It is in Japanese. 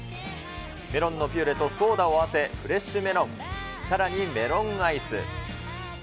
メロンのピューレとソーダを合わせ、フレッシュメロン、さらにメロンアイス。